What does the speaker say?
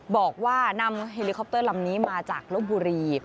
บอกว่านำเฮลิคอปเตอร์ลำนี้มาจากลบบุรี